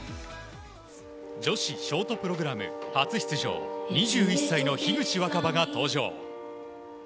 女子ショートプログラム初出場、２１歳の樋口新葉が登場。